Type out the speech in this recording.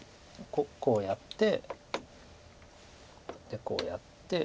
こうやってでこうやって。